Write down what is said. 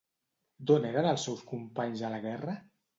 D'on eren els seus companys a la guerra?